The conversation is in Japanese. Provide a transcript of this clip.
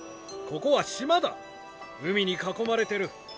ここは島だ海に囲まれてる。